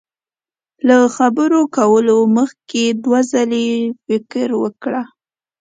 له خبرو کولو مخ کي دوه ځلي فکر وکړه